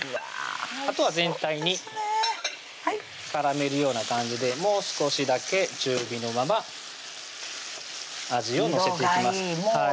あとは全体に絡めるような感じでもう少しだけ中火のまま味を乗せていきます